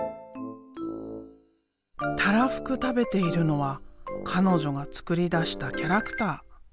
たらふく食べているのは彼女が創り出したキャラクター。